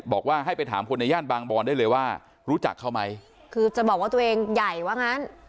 บอกว่าให้ไปถามคนในย่านบางบอนได้เลยว่ารู้จักเขาไหมคือจะบอกว่าตัวเองใหญ่ว่างั้น